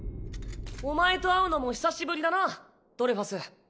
お前と会うのも久しぶりだなドレファス。